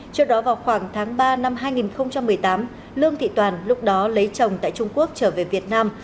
trước đó vào khoảng tháng ba năm hai nghìn một mươi tám lương thị toàn lúc đó lấy chồng tại trung quốc trở về việt nam